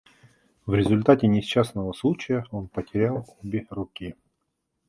В результате несчастного случая он потерял обе руки.